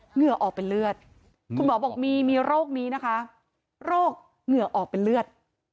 เหงื่อออกเป็นเลือดคุณหมอบอกมีมีโรคนี้นะคะโรคเหงื่อออกเป็นเลือด